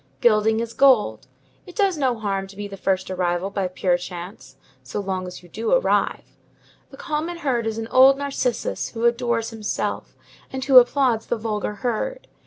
Gilding is gold. It does no harm to be the first arrival by pure chance, so long as you do arrive. The common herd is an old Narcissus who adores himself, and who applauds the vulgar herd.